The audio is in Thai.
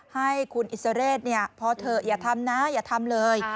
ให้คุณอิสระเรศพอเถอะอย่าทำนะอย่าทำเลย